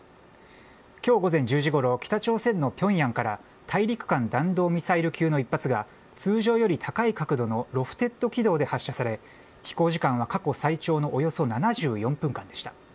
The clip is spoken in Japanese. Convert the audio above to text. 今日午前１０時ごろ北朝鮮のピョンヤンから大陸間弾道ミサイル級の一発が通常より高い角度のロフテッド軌道で発射され飛行時間は過去最長のおよそ７４分間でした。